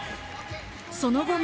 その後も。